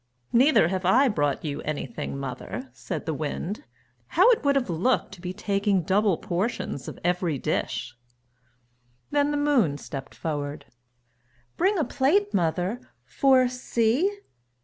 "Neither have I brought you anything, mother!" said the Wind. "How it would have looked to be taking double portions of every dish!" Then the Moon stepped forward. "Bring a plate, mother, for see!"